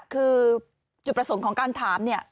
คือจุดประสงค์ของการถามเนี่ย